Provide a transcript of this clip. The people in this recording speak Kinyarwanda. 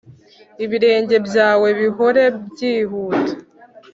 ibirenge byawe bihore byihuta